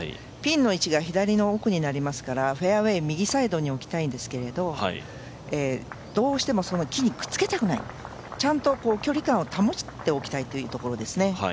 ピンの位置が左の奥になりますからフェアウエー右サイドに置きたいんですけれども、どうしても木にくっつけたくない、ちゃんと距離感を保っていきたいというところですね。